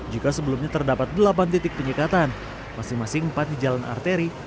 jika sebelumnya terdapat delapan titik penyekatan masing masing empat di jalan arteri